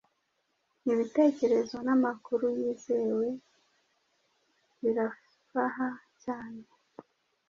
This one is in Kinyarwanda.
ibitekerezo namakuru yizewew birafaha cyane